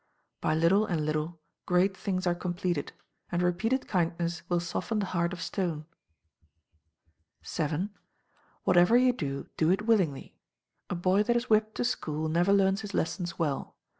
By little and little, great things are completed; and repeated kindness will soften the heart of stone. vii. Whatever you do, do it willingly. A boy that is whipped to school never learns his lessons well.